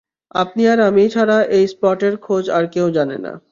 আপনি আর আমি ছাড়া এই স্পটের খোঁজ আর কেউ জানে না।